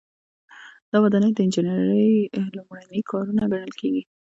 دا ودانۍ د انجنیری لومړني کارونه ګڼل کیږي.